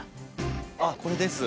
あっこれです。